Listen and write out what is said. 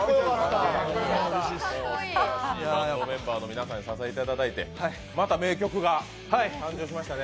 メンバーの皆さんにお支えいただて、また名曲が誕生しましたね。